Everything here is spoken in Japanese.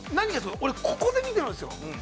ここで見てますよ。